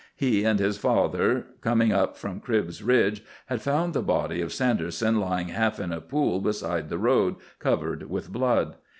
He and his father, coming up from Cribb's Ridge, had found the body of Sanderson lying half in a pool beside the road, covered with blood.